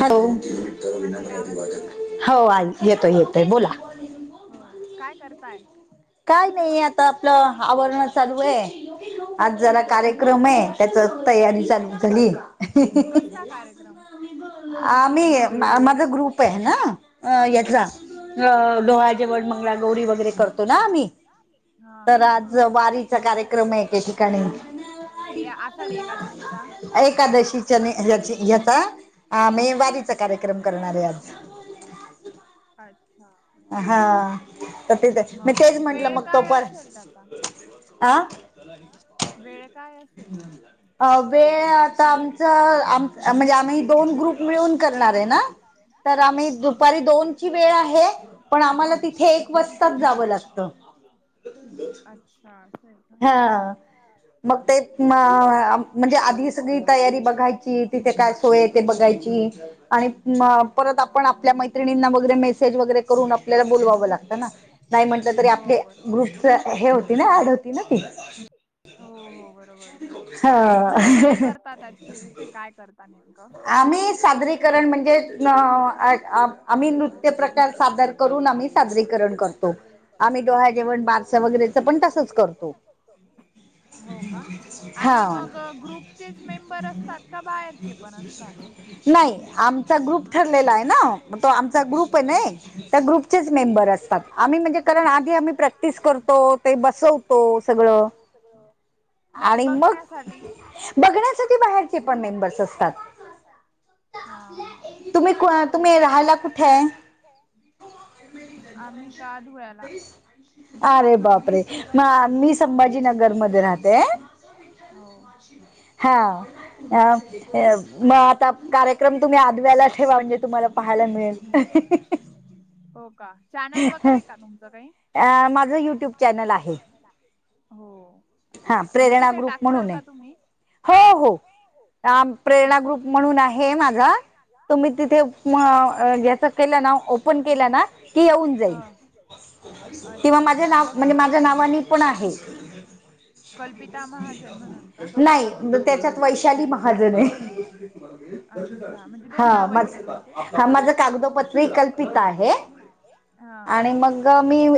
Hello हो ऐकू येतोय येतोय बोला हो काय करताय काय नाही आता आपलं आवरण चालू आहे आज जरा कार्यक्रम आहे त्याचंच तयारी चालू झाली अहं ह ह करा मग आम्ही मा माझा ग्रुप आहे ना हेचा अ डोहाळ जेवण मंगळा गौरी वगैरे कर तो ना आम्ही तर आज वारीचा कार्यक्रम आहे त्या ठिकाणी एकादशीची आण ह्याची येता आम्ही वारीत हा लई झालीत कार्यक्रम पण इकडं अच्छा आ हा मग वेळ काय असेल त्याचा आ वेळ काय असेल अ वेळ आता आमचं आम म्हणजे आम्ही दोन ग्रुप मिळून करणार आहे ना तर आम्ही दुपारी दोनची वेळ आहे पण आम्हाला तिथे एक वाजताच जावं लागत [unintelligible] अच्छा स हा मग ते म. अ. म्हणजे आधी सगळी तयारी ब घायची तिथे काय सोय आहे ते बघायची आणि परत आपण आपल्या मै ट्रेनिंगला वगैरें मेसेज वगैरें करूंन आपल्याला बवावं लागतं नां नाहीं म्हटलं तरी आपले ग्रुप हे होती नां ऍड होती नां ती हं कायं करतांतथे कायं करतांत नेमकं आम्हीं सादरीकरणं म्हणजे आम्हीं नृत्यं प्रकांर सादरं करूंन आम्हीं सादरीकरणं करतो आम्हीं डोह्यां जेवणं बारसं वगैरेंच पणं तसंच करतो हो कां आणि मंग ग्रुप ग्रुप चे मेंबर असतांत कां बाहेरचे नाहीं आमचां ग्रुप ठरलेला आहे नां तो आमचां ग्रुप आहे नाहीं त्यां ग्रुप मेंबर असतांत आम्हीं म्हणजे कारणं आंधी आम्हीं प्रॅक्टिस करतो ते बसवतो सगळं सगळं आणि मंग बघण्यांसाठी बाहेरचे पणं मेंबर्स असतांत हां हां तुम्हीं तुम्हीं राहांयला कुंठे आहे आम्हीं कां धुंळ्यांला अरे अरे बापरे रे मं आम्हीं संभाजीनगर मध्यें राहते हां अं आंता कार्यक्रम कुंणी आल्याला ठेवां म्हणजे तुम्हांला पाहांयला मिळेल हो कां चॅनल वगैरें कां तुमचं कांहीं अं माझं युंट्यूब चॅनल आहे हो अच्छा मंग तिथे टांकशाल कां तुम्हीं हो हो प्रेरणा ग्रुप म्हणूंन आहे माझां तुम्हीं तिथे यांयाचा केलां नां ओपन केलां नां की येऊंन जाईल तेव्हां माझे नांव म्हणजे माझ्यां नांवाने पणं आहे कल्पिता महांजन म्हणूंन कां नाहीं त्यांच्यात वैशाली महांजन आहे हां मं हां माझं कागदोपत्रंही कल्पित आहे आणि मंग मी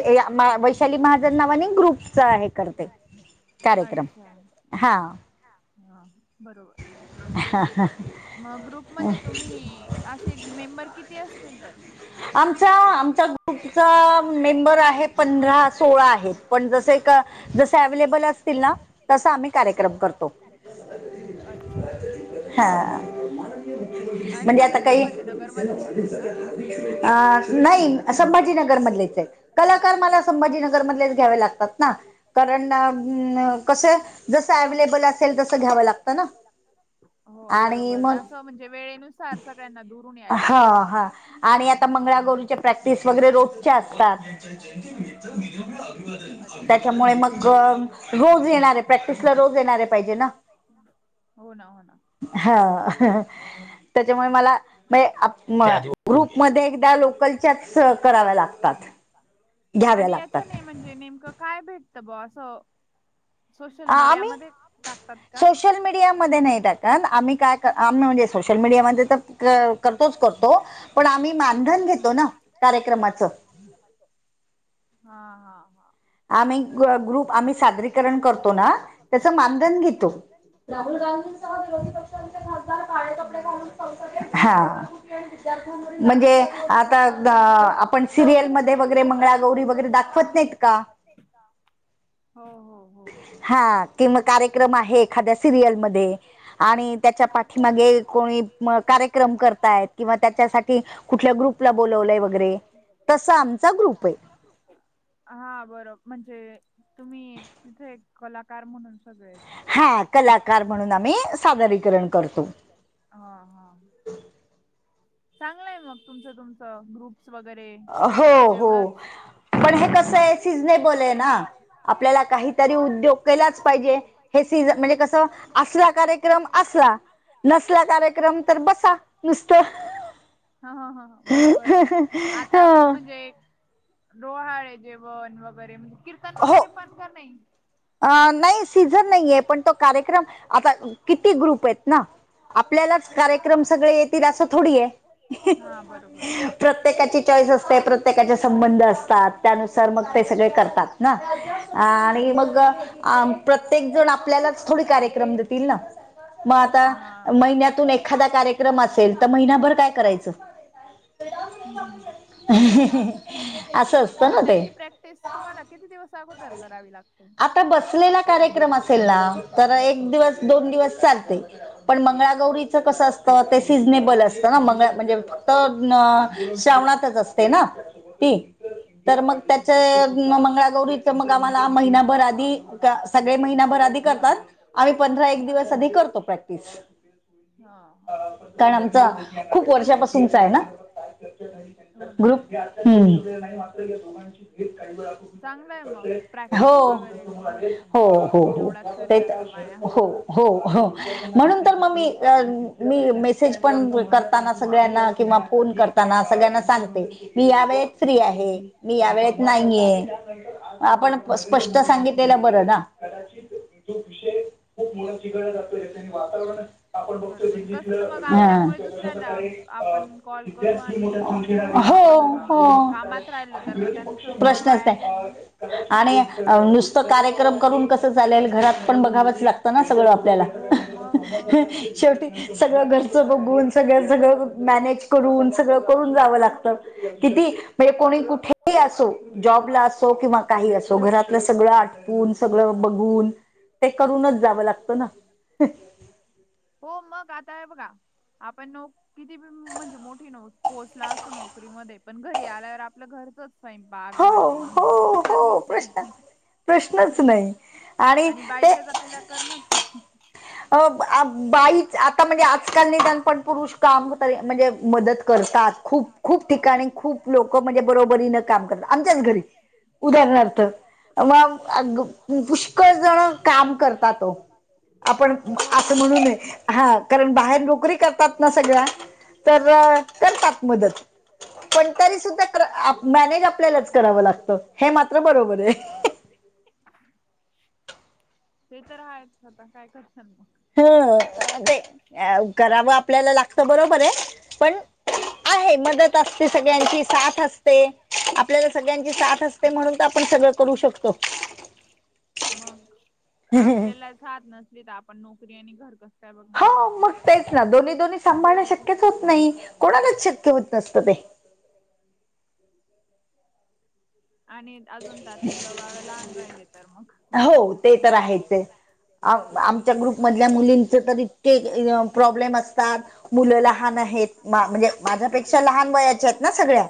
वैशाली महांजन नांवाने ग्रुपचं हे करते कार्यक्रम हां हां हां बरोबर हां हां मंग ग्रुप मध्यें तुम्हीं असे मेंबर किती असतील तरी आमचा आमच्या ग्रुपचां मेंबर आहे पंध सोळा आहेतं पणं जसे जसं अवलेबल असतील नां तसां आम्हीं कार्यक्रम करतो कार्यक्रम अच्छा हां हां म्हणजे आंता कांहीं अं नाहीं संभाजीनगर मधंले कलांकार मलां संभाजीनगर मध्येचं घ्यावे लागतांत नां कारणं कसं जसं अव्लेबल असेल तसं घ्यावं लागतं नां आणि बरोबर असं म्हणजे वेळेनुसांर सगळ्यांना दुरूंन यांयला आपणं आणि आंता मंगळागौरूच्यां प्रॅक्टिस वगैरें रोजच्यां असतांत त्यांच्यामुळे मंग रोजं येणारं आहे प्रॅक्टिसला रोजं येणारे हे झालं पाहिजे नां हो नां हो नां हां हां त्यांच्यामुळे मलां म्ह आप म ग्रुपमध्ये एकदा लोकलच्याच कराव्या लागतात. घ्याव्या लागतात. ते नेमकं काय भेटत ब अस सोशल मीडियामध्ये टाकतात का? सोशल मीडियामध्ये नाही टाकत आम्ही काय आम्ही म्हणजे सोशल मीडियामध्ये तर करतोच करतो पण आम्ही मानधन घेतो ना. कार्यक्रमाचं. हा हा हा आम्ही ग्रुप आम्ही सादरीकरण करतो ना त्याचं मानधन घेतो. राहुल गांधींसह विरोधी पक्षांचे खासदार काळे कपडे घालून संसदेत म्हणजे आता दा आपण सिरियल मध्ये वगैरे मंगळागौरी वगैरे दाख वत नाहीत का. हो हो हो हा किं म कार्यक्रम आहे एखाद्या सिरियलमध्ये आणि त्याच्या पाठीमागे कोणी म कार्य क्रम करताहेत किंवा त्यासाठी कुठल्या ग्रुपला बोलवलय वगैरे तस आमचा ग्रुप हे. हा बर म्हणजे तुम्ही तिथे एक कलाकार म्हणून अस. हा कलाकार म्हणून आम्ही सादरीकरण करतो. हा हा चांगलंय मग तुमचं तुमचं ग्रुप वगैरे हो हो पण हे कसं हे सिझनेबल आहे ना आपल्याला काहीतरी उद्योग केलाच पाहिजे. हे सीज म्हणजे कस असला कार्यक्रम असला नसला कार्यक्रम तर बसा नुसतं. हा ह हा हा बरोबर आता म्हणजे डोहाळे जेवण वगैरेे कीर्तन वगैरे पण कमी हे. अ नाही सीझन नाहीये पण तो कार्यक्रम आता किती ग्रुप आहेत ना आपल्यालाच कार्यक्रम सगळे येतील असं थोडी हे. हा बरोबर प्रत्येकाची चॉईस असते, प्रत्येकाचे संबंध असतात त्यानुसार मग ते सगळे करतात. ना आणि मग प्रत्येक जण आपल्यालाच थोडी कार्यक्रम देतील ना. म आता महिन्यातून एखादा कार्यक्रम असेल तर महिनाभर काय करायचं. असं असतं ना ते तुम्हाला किती दिवस अगोदर करावी लागते. आता बसलेला कार्यक्रम असेल ना तर एक दिवस दोन दिवस चालते. पण मंगळागौरीच कस असत ते सिजनेबल अस मंगळा म्हणजे फक्त श्रावणातच असते ना तर मग त्याच मंगळागौरीच मग आम्हाला महिना बर आदी सगळे महिना बर आदी करतात आम्ही पंधरा एक दिवस आधी करतो प्रॅक्टिस हा हा कारण आमचा खूप वर्षापासूनचा आहे ना ग्रुप हम्म हो हो हो हो ते तर हो हो हो म्हणून तर मग मी मी मेसेज पण करताना सगळ्यांना किंवा फोन करताना सगळ्यांना सांगते मी या वेळेत फ्री आहे मी या वेळेत नाहीये आपण स्पष्ट ष्ट सांगितले बर ना कदाित विषय खप गरज वातावरण आपण बघतो दितश प्रकारे विद्यार्थी मोठ्या हो हो प्रश्नच नाही आणि नुसतं कार्यक्रम करून कसं चालेल घरात पण बघावंच लागतं ना सगळं शेवटी सगळं घरच बघून सगळ सगळं मॅनेज ून सगळ करून जाव लागत किती म्हणजे कोणी कुठेही असो जॉबला असो किंवा का असो घरातलं सगळं आून सगळ बघून ते करूनच जावं लागत हो मग आता आहे बघा आपण न कितीण म्हणजे मोठी पोचला असू नोकरीमध्ये पण घरी आल्यावर आपलं घरचच स्वयंपाक भांडे धुणे ते तर करणीच आहे आणि बायच्या जातीला करणच हाय अ बाईच आता म्हणजे आजकालने त्या पण पुरुष काम होते म्हणजे मदत करतात खूप खूप ठिकाणी खूप लोक म्हणजे बरोबरी न काम करतात आमच्याच घरी उदाहरणार्थ मग पुष्कळ जण काम करत तो आपण आं म्हणूनय हा कारण बाहेर नोकरी करतात ना सगळ्या तर करतात मदत पण तरी सुद्धा मॅनेज आपल्यालाच करावं लागतं हे मात्र बरोबर आहे ते तर आहेयच आता काय करशल मग ह करावं आपल्याला लागतं बरोबर आहे पण आहे मदत असते सगळ्यांची साथ असते आपल्याला सगळ्यांची साथ असते. ते म्हणून तर आपण सगळं करू शकतो. मग आपल्याला खात नसली तर आपण नोकरी आणि घर कसकाय बघ ना ब तेच ना दोन्ही दोन् सांभाळणं शक्यच होत नाही कोणालाच शक्य होत नसतं ते आणि अजून त्यात मुलं बाळ लहान राहिले तर मग विषय नाही तर आमच्या ग्रुपमधल्या मुलींच तर इतके प्रॉब्लेम असतात मुलं लहान आहेत म्हणजे माझ्यापेक्षा लहान वयाच्या आहेत ना सगळ्या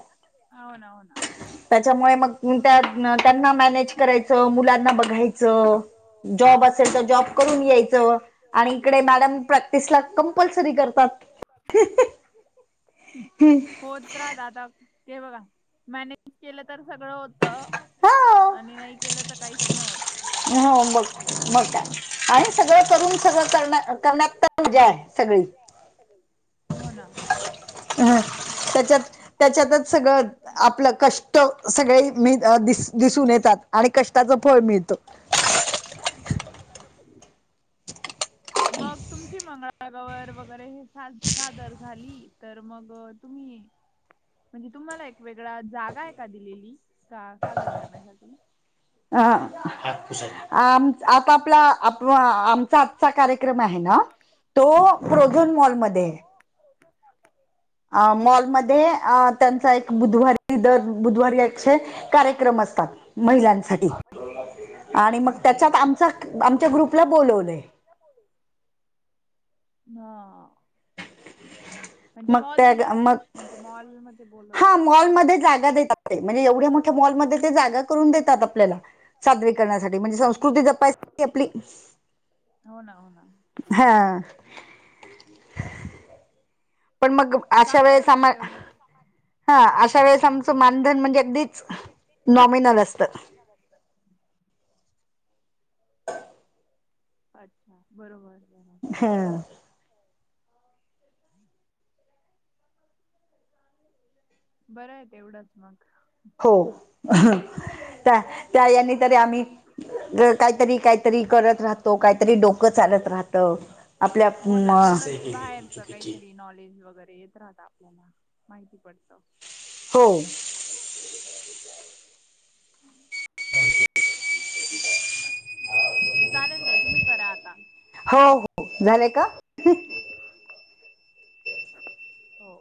त्याच्यामुळे मग त्या त्यांना मॅनेज करायचं मुलांना बघायचं जॉब असेल तर जॉब करून यायचं आणि इकडे मॅडम प्रॅक्टिसला कंपल्सरी करतात. होत आदा ते बघा मॅनेज केलं तर सगळं होत आणि नाही केलं तर काहीच नई होत हो बघ बघ काय आणि सगळं करून सगळं कर करण्यात तर मजा आहे सगळी हो ना ह त्याच्यात त्याच्यातच सगळं आपलं कष्ट ष्ट सगळे मी दिसून येतात आणि कष्टाचं फळ मिळतं. मग तुमची मंगळागौ वगैरे हे सादर झाली तर मग तुम्ही म्हणजे, तुम्हाला एक वेगळा जागा आहे का दिलेली का सादर करण्यासाठी? ह, आम आपआपला तो आ आमचा आजचा कार्यक्रम आहे ना, तो प्रोझन मॉलमध्ये आहे. अ मॉलमध्ये अ त्यांचा एक बुधवारी दर बुधवारी एकशे कार्यक्रम असतात, महिलांसाठी. आणि मग त्याच्यात आमचा, आमच्या ग्रुपला बोलवलंय. ना. म्हणजे मॉल दिला आहे बुआ, म्हणजे मॉलमध्ये बोल हा, मॉलमध्ये जागा देतात ते. म्हणजे एवढ्या मोठ्या मॉलमध्ये, ते जागा करून देतात आपल्याला. सादरी करण्यासाठी म्हणजे संस्कृती जपायसाठी आपली हो ना, हो ना. हा....., पण मग. अशा वेळेस आमं हा, अशा वेळेस आमचं मानधन म्हणजे अगदीच नॉमिनल असतं. गुलाल असतं. अच्छा, बरोबर. बरा हम्. बरं आहे तेवढंच मग. हो, त्या त्या यांनी तरी आम्ही काहीतरी काहीतरी करत राहतो, काहीतरी डोकं चालत राहतं. आपल्या म की नॉलेज वगैरे येत राह आता आपल्याला माहिती पडतं. हो. हम्म चालेल ताई, तुम्ही करा आता. हो हो, झालंय का? झाले का? हो.